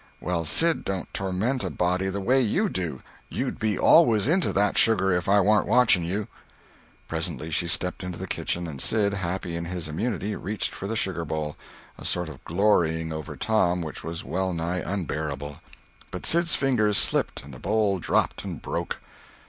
"Well, Sid don't torment a body the way you do. You'd be always into that sugar if I warn't watching you." Presently she stepped into the kitchen, and Sid, happy in his immunity, reached for the sugar bowl—a sort of glorying over Tom which was wellnigh unbearable. But Sid's fingers slipped and the bowl dropped and broke.